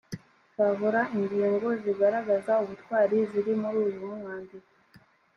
tahura ingingo zigaragaza ubutwari ziri muri uyu mwandiko.